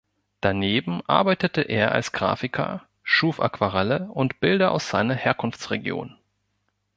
Daneben arbeitete er als Graphiker, schuf Aquarelle und Bilder aus seiner Herkunftsregion.